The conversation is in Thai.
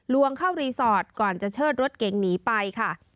ลวงเข้ารีสอร์ทก่อนจะเชิดรถเก๋งหนีไปค่ะ